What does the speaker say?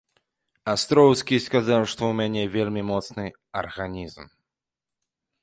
Астроўскі сказаў, што ў мяне вельмі моцны арганізм.